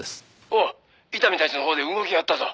「おう伊丹たちのほうで動きがあったぞ」